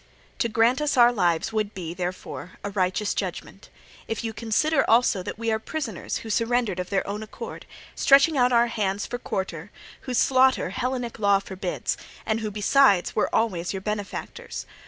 To grant us our lives would be, therefore, a righteous judgment; if you consider also that we are prisoners who surrendered of their own accord, stretching out our hands for quarter, whose slaughter Hellenic law forbids, and who besides were always your benefactors.